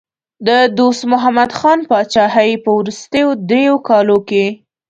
د دوست محمد خان پاچاهۍ په وروستیو دریو کالو کې.